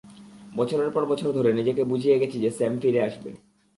বছরের পর বছর ধরে, নিজেকে বুঝিয়ে গেছি যে স্যাম ফিরে আসবে।